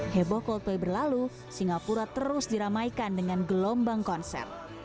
heboh coldplay berlalu singapura terus diramaikan dengan gelombang konser